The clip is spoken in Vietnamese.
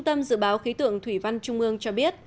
tâm dự báo khí tượng thủy văn trung ương cho biết